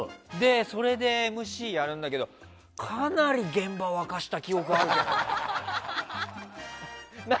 それでＭＣやるんだけどかなり現場を沸かせた記憶があるけどな。